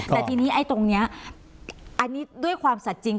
แต่ทีนี้ไอ้ตรงนี้อันนี้ด้วยความสัดจริง